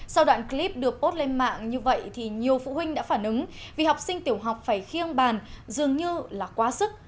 sau đoạn clip được bốt lên mạng như vậy thì nhiều phụ huynh đã phản ứng vì học sinh tiểu học phải khiêng bàn dường như là quá sức